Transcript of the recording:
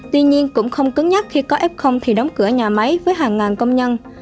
tuy nhiên cũng không cứng nhắc khi có f thì đóng cửa nhà máy với hàng ngàn công nhân